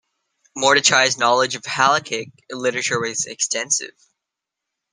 Mordechai's knowledge of halakhic literature was extensive.